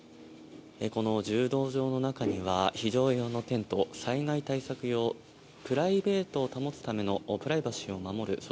柔道場の中には非常用のテント災害対策用プライベートを保つためのプライバシーを守る